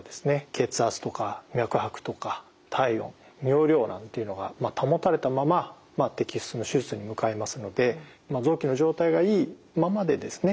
血圧とか脈拍とか体温尿量なんていうのが保たれたまま摘出の手術に向かいますので臓器の状態がいいままでですね